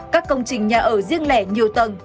các công trình nhà ở riêng lẻ nhiều tầng